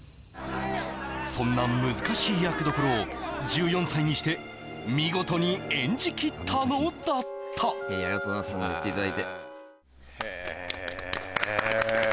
そんな難しい役どころを１４歳にして見事に演じきったのだったへえ